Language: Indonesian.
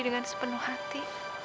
dengan sepenuh hati